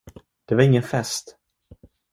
Det var ingen fest!